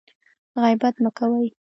غیبت مه کوئ